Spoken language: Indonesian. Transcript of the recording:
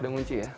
udah ngunci ya